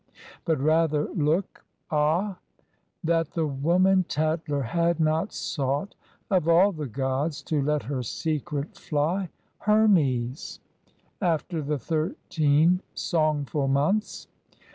But rather look Ah, that the woman tattler had not sought, Of all the Gods to let her secret fly, Hermes, after the thirteen songful months!